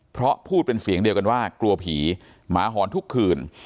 เพราะพูดเป็นเสียงเดียวกันว่ากลัวผีหมาหอนทุกคืน